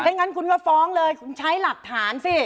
ถ้างั้นคุณก็ฟ้องเลยคุณใช้หลักฐานสิ